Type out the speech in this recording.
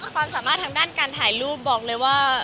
ความสามารถทางด้านการถ่ายรูปบอกเลยว่า